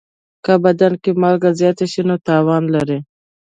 که بدن کې مالګه زیاته شي، نو تاوان لري.